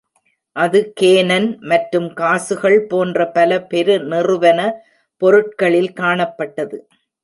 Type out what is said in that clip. அது கேனன் மற்றும் காசுகள் போன்ற பல பெருநிறுவன பொருட்களில் காணப்பட்டது.